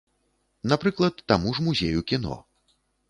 Напрыклад, таму ж музею кіно.